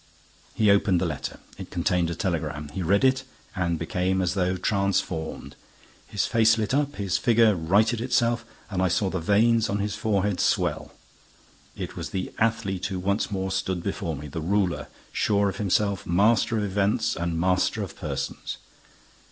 He opened the letter. It contained a telegram. He read it—and became as though transformed. His face lit up, his figure righted itself and I saw the veins on his forehead swell. It was the athlete who once more stood before me, the ruler, sure of himself, master of events and master of persons.